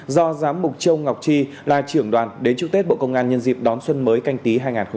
do giám mục châu ngọc tri là trưởng đoàn đến chúc tết bộ công an nhân dịp đón xuân mới canh tí hai nghìn hai mươi